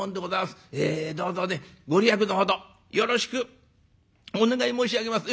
えどうぞね御利益のほどよろしくお願い申し上げます。